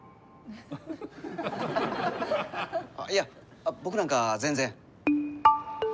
いや僕なんか全然。